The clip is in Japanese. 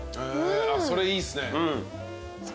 それいいっすね。